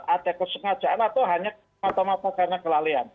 ada kesengajaan atau hanya karena kelalaian